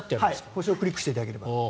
星をクリックしていただければ。